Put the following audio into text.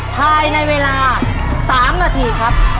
ภายในเวลา๓นาทีครับ